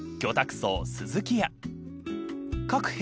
荘鈴木屋］